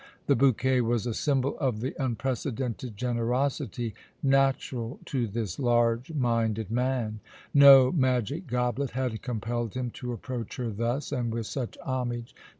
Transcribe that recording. The bouquet was a symbol of the unprecedented generosity natural to this large minded man. No magic goblet had compelled him to approach her thus and with such homage.